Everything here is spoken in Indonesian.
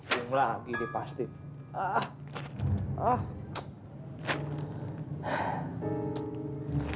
gung lagi dipastikan